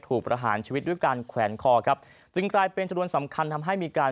ประหารชีวิตด้วยการแขวนคอครับจึงกลายเป็นชนวนสำคัญทำให้มีการ